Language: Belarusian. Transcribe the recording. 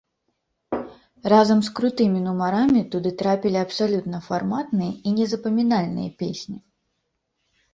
Разам з крутымі нумарамі туды трапілі абсалютна фарматныя і незапамінальныя песні.